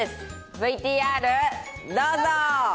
ＶＴＲどうぞ。